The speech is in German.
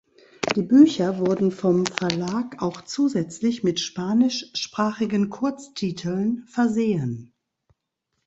Die Bücher wurden vom Verlag auch zusätzlich mit spanischsprachigen (Kurz)Titeln versehen.